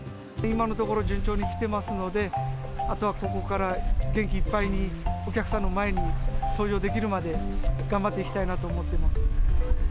今のところ順調にきてますので、あとはここから元気いっぱいに、お客さんの前に登場できるまで、頑張っていきたいなと思っています。